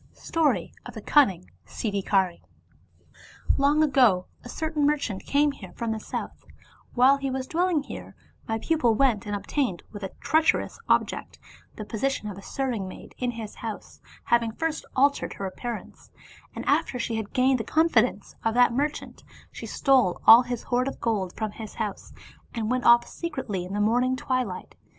STORY OF THE CUNNING SIDDHIKARf " Long ago a certain merchant came here from the north; while he was dwelling here, my pupil went and obtained, with a treacherous object, the position of a serving maid in his house, having first altered her appearance, and after she had gained the confidence of that merchant, she stole all his hoard of gold from his house, and went off secretly in the morning twilight.